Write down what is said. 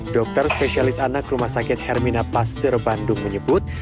dokter spesialis anak rumah sakit hermina pasteur bandung menyebut